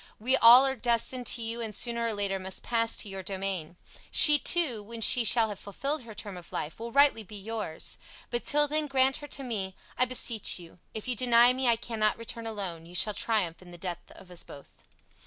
We all are destined to you and sooner or later must pass to your domain. She too, when she shall have filled her term of life, will rightly be yours. But till then grant her to me, I beseech you. If you deny me I cannot return alone; you shall triumph in the death of us both."